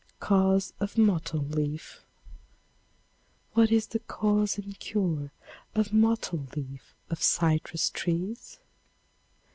Cause of Mottle Leaf. What is the cause and cure of mottle leaf of citrus trees?